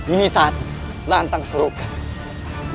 ini saatnya lantang serukan